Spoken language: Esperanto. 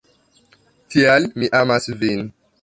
Tial mi amas vin